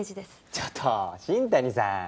ちょっと新谷さん！